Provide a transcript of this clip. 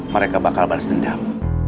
mereka bakal balas dendam